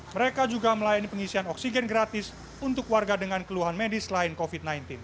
mereka juga melayani pengisian oksigen gratis untuk warga dengan keluhan medis lain covid sembilan belas